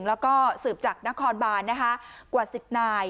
แล้วก็สืบจากนครบาลกว่า๑๙